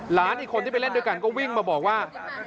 หลานอีกคนที่ไปเล่นด้วยกันก็วิ่งมาบอกว่า